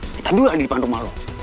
kita dua di depan rumah lo